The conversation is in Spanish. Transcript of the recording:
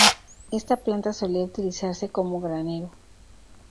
Esta planta solía utilizarse como granero.